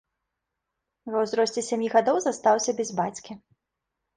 Ва ўзросце сямі гадоў застаўся без бацькі.